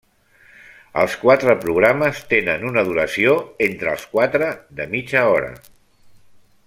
Els quatre programes tenen una duració, entre els quatre, de mitja hora.